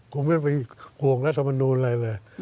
คุณไม่เอาเป็นโควงรัฐมนูลอะไร